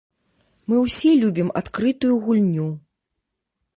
Мы ўсе любім адкрытую гульню.